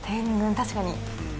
確かに。